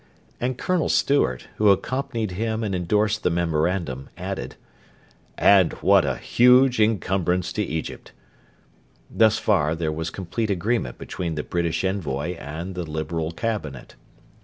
"' And Colonel Stewart, who accompanied him and endorsed the memorandum, added: 'And what a huge encumbrance to Egypt!' Thus far there was complete agreement between the British envoy and the Liberal Cabinet.